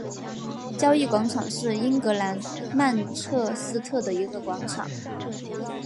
交易广场是英格兰曼彻斯特的一个广场。